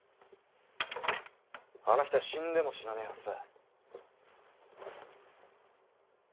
あの人は死んでも死なねぇはずだ。